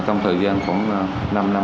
trong thời gian khoảng năm năm